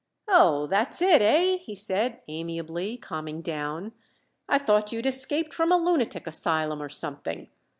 "Oh, that's it, eh?" he said, amiably calming down. "I thought you'd escaped from a lunatic asylum or something.